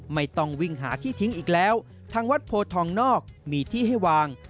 ไม่ต้องวิ่งหาที่ทิ้งอีกแล้วทางวัดโพทองนอกมีที่ให้วาง